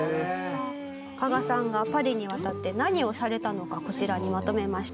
加賀さんがパリに渡って何をされたのかこちらにまとめました。